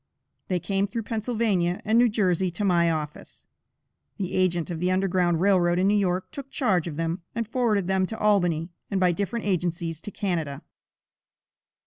They came through Pennsylvania and New Jersey to my office. The agent of the Underground Rail Road in New York, took charge of them, and forwarded them to Albany, and by different agencies to Canada.